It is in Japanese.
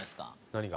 何が？